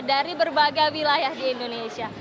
dari berbagai wilayah di indonesia